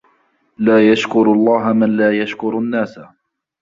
لَا يَشْكُرُ اللَّهَ مَنْ لَا يَشْكُرُ النَّاسَ